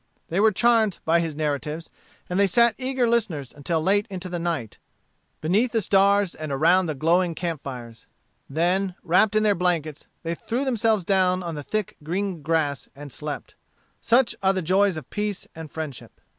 They were charmed by his narratives, and they sat eager listeners until late into the night, beneath the stars and around the glowing camp fires. Then, wrapped in their blankets, they threw themselves down on the thick green grass and slept. Such are the joys of peace and friendship.